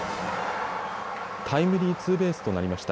タイムリーツーベースとなりました。